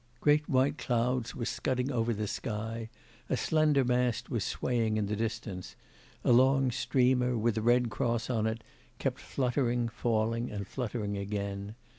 Great white clouds were scudding over the sky, a slender mast was swaying in the distance, a long streamer, with a red cross on it, kept fluttering, falling, and fluttering again.